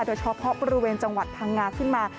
โดยเฉพาะบริเวณจังหวัดพังงาขึ้นมา